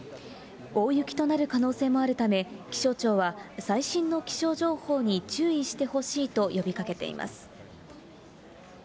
大雪となる可能性もあるため、気象庁は最新の気象情報に注意してほしいと呼びかけています。